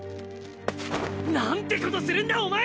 何てことするんだお前！